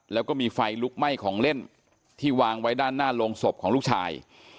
แล้วก็มีไฟลุกไหม้ของเล่นที่วางไว้ด้านหน้าโรงศพของลูกชาย